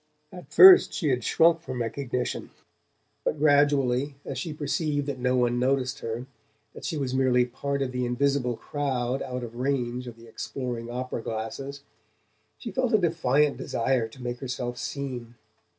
At first she had shrunk from recognition; but gradually, as she perceived that no one noticed her, that she was merely part of the invisible crowd out of range of the exploring opera glasses, she felt a defiant desire to make herself seen.